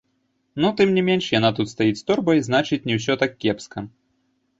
Ну тым не менш яна тут стаіць з торбай, значыць, не ўсё так кепска.